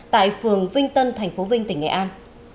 tại phường vinh tân tp vinh tỉnh nghệ an